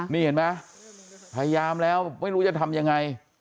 นี่เห็นไหมพยายามแล้วไม่รู้จะทำยังไง